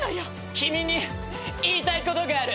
君に言いたいことがある。